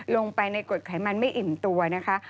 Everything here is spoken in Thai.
ลงไปในกดไขมันไม่อิ่มตัวนะคะ